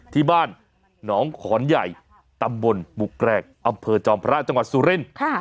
ที่บ้านหนองขอนใหญ่ตำบลปุกแกรกอำเภอจอมพระจังหวัดสุรินทร์